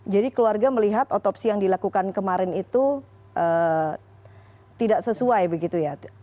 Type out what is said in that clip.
jadi keluarga melihat otopsi yang dilakukan kemarin itu tidak sesuai begitu ya